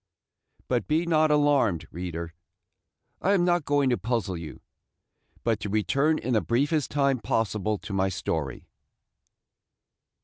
But be not alarmed, reader; I am not going to puzzle you, but to return in the briefest time possible to my story.